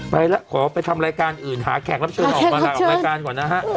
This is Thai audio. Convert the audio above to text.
ไปแล้วขอไปทำรายการอื่นหาแขกรับเชิญออกมาลาออกรายการก่อนนะฮะ